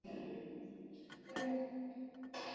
市内有一城市博物馆和一个画廊。